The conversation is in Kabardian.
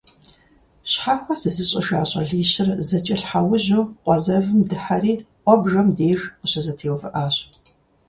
Щхьэхуэ зызыщIыжа щIалищыр зэкIэлъхьэужьу къуэ зэвым дыхьэри «Iуэбжэм» деж къыщызэтеувыIащ.